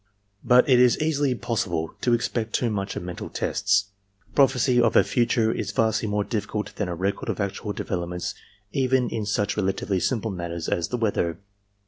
"But it is easily possible to expect too much of mental tests. Prophecy of the future is vastly more difficult than a record of actual developments even in such relatively simple matters as the weather.